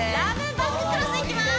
バッククロスいきます